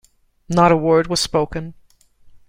Not a word was spoken.